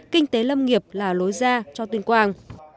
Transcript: kinh tế lâm nghiệp là lối ra cho tuyên quang